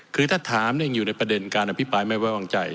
คือถ้าถามยังอยู่ในประเด็นการอภิปรายไม่ไว้วางใจ